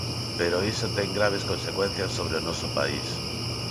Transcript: Pero iso ten graves consecuencias sobre o noso país.